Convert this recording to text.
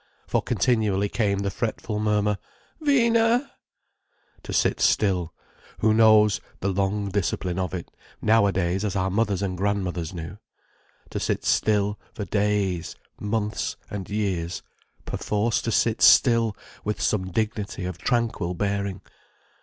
For continually came the fretful murmur: "Vina!" To sit still—who knows the long discipline of it, nowadays, as our mothers and grandmothers knew. To sit still, for days, months, and years—perforce to sit still, with some dignity of tranquil bearing.